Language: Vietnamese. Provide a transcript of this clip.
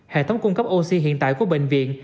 hệ thống cung cấp oxy hiện tại của bệnh viện